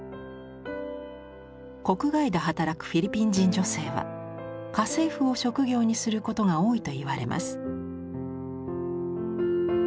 国外で働くフィリピン人女性は家政婦を職業にすることが多いといわれます。